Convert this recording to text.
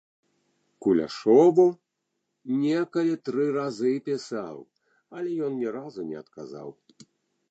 Куляшову некалі тры разы пісаў, але ён ні разу не адказаў.